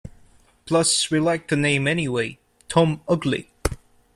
Plus we like the name anyway, Tom Ugly.